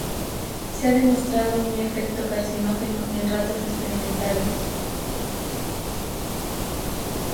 Se ha demostrado un efecto carcinógeno en ratas experimentales.